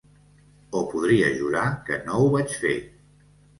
O podria jurar que no ho vaig fer.